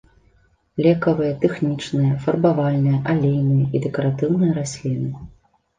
Лекавыя, тэхнічныя, фарбавальныя, алейныя і дэкаратыўныя расліны.